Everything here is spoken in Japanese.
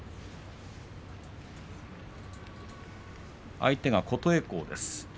相手は琴恵光です。